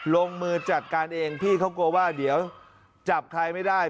ลงมือจัดการเองพี่เขากลัวว่าเดี๋ยวจับใครไม่ได้